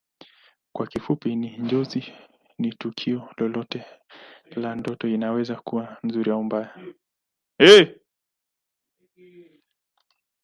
Kwa kifupi tu Njozi ni tukio lolote la ndoto inaweza kuwa nzuri au mbaya